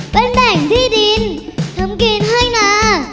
เป็นแหล่งที่ดินทำกินให้นะ